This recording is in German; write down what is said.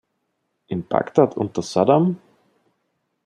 In Bagdad unter Saddam?